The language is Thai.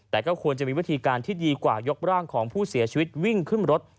แต่ก็ควรจะมีวิธีการที่ดีกว่ายกร่างของผู้เสียชีวิตวิ่งขึ้นรถ